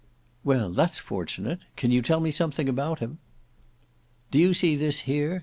"Well, that's fortunate; you can tell me something about him?" "Do you see this here?"